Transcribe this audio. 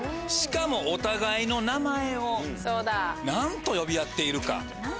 しかもお互いの名前を何と呼び合っているか。